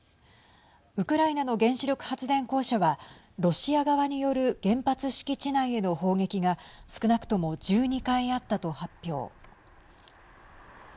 ウクライナの原子力発電公社はロシア側による原発敷地内への砲撃が少なくとも１２回あったと発表。